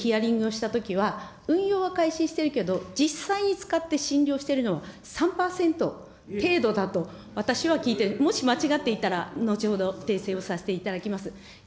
ちょっとレクでヒアリングをしたときには、運用は開始しているけど、実際に使って診療しているのは３％程度だと、私は聞いて、もし間違っていたら後ほど訂正をさせていただきます。